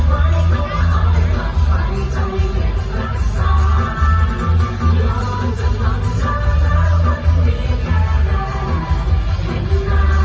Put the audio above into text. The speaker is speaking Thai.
เมื่อก่อนหนึ่งจะได้ยินเสียงร้องไทยแบบแบบแบบว่าใครร้อง